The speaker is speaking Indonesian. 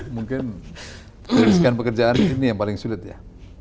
mungkin dirisikan pekerjaan ini yang paling sulit ya